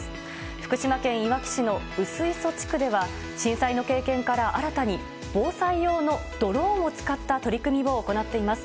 福島県いわき市の薄磯地区では震災の経験から新たに、防災用のドローンを使った取り組みを行っています。